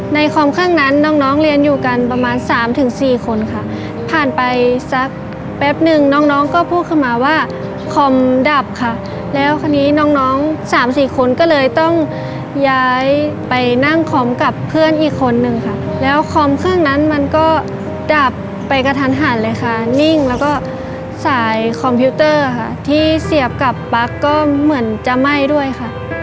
คอมเครื่องนั้นน้องน้องเรียนอยู่กันประมาณสามถึงสี่คนค่ะผ่านไปสักแป๊บนึงน้องน้องก็พูดขึ้นมาว่าคอมดับค่ะแล้วคราวนี้น้องน้องสามสี่คนก็เลยต้องย้ายไปนั่งคอมกับเพื่อนอีกคนนึงค่ะแล้วคอมเครื่องนั้นมันก็ดับไปกระทันหันเลยค่ะนิ่งแล้วก็สายคอมพิวเตอร์ค่ะที่เสียบกับปั๊กก็เหมือนจะไหม้ด้วยค่ะ